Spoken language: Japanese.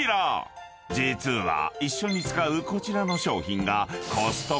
［実は一緒に使うこちらの商品が］